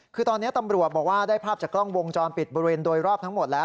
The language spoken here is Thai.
คือตอนนี้ตำรวจบอกว่าได้ภาพจากกล้องวงจรปิดบริเวณโดยรอบทั้งหมดแล้ว